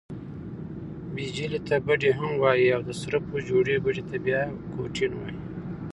بیجلي ته بډۍ هم وايي او، د سرپو جوړي بډۍ ته بیا کوټین وايي.